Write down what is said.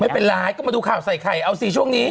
ไม่เป็นไรก็มาดูข่าวใส่ไข่เอาสิช่วงนี้